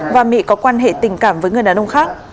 và mỹ có quan hệ tình cảm với người đàn ông khác